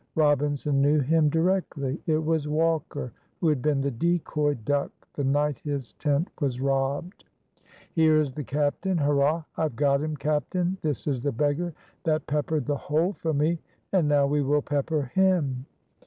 Robinson knew him directly; it was Walker, who had been the decoy duck the night his tent was robbed. "Here is the captain! Hurrah! I've got him, captain. This is the beggar that peppered the hole for me, and now we will pepper him!"